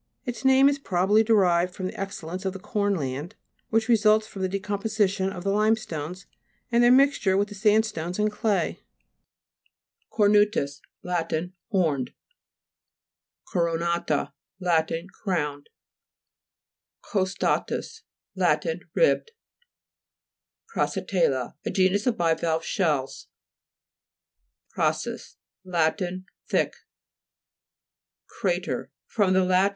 Its name is probably derived from the excellence of the corn land, which results from the decomposition of the limestones, and their mixture with the sandstones and clay. CORNU'TUS Lat. Horned. CORONA'TA Lat. Crowned. COSTA'TUS Lat. Ribbed. CRAG FORMATION (p. 84). CRASSATE'LLA A genus of bivalve shells. CRA'SUS Lat. Thick. CHA'TER fr. lat.